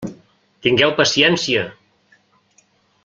Tingueu paciència!